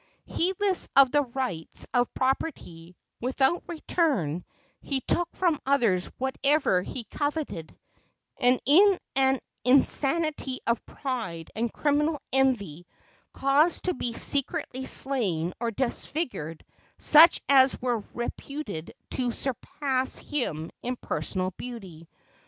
Heedless of the rights of property, without return he took from others whatever he coveted, and in an insanity of pride and criminal envy caused to be secretly slain or disfigured such as were reputed to surpass him in personal beauty.